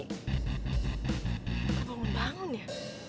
dia bangun bangun ya